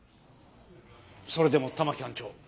それでも玉城班長。